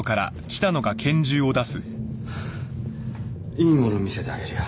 いいもの見せてあげるよ。